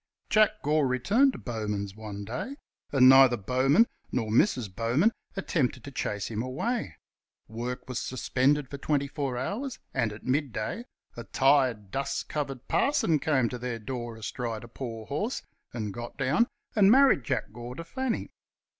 Jack Gore returned to Bowman's one day and neither Bowman nor Mrs. Bowman attempted to chase him away. Work was suspended for twenty four hours, and at midday, a tired, dust covered parson came to their door astride a poor horse and got down and married Jack Gore to Fanny.